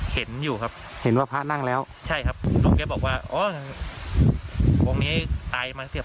เห็นอยู่ครับเห็นว่าพระนั่งแล้วใช่ครับบอกว่าโอ๊ยตายมาเกือบ